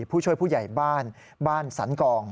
ผู้ช่วยผู้ใหญ่บ้านบ้านสันกอง